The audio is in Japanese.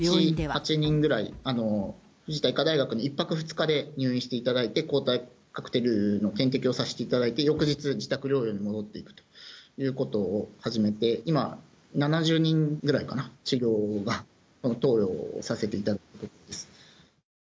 １日８人ぐらい、藤田医科大学に１泊２日で入院していただいて抗体カクテルの点滴をさせていただいて、翌日、自宅療養に戻っていくということを始めて、今、７０人ぐらいかな、治療が、その投与をさせていただいたところです。